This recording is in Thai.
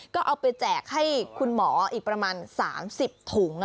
ก็เอาไปแจกให้คุณหมออีกประมาณ๓๐ถุง